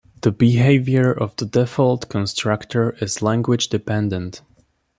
The behavior of the default constructor is language dependent.